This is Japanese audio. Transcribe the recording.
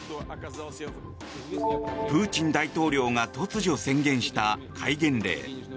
プーチン大統領が突如宣言した戒厳令。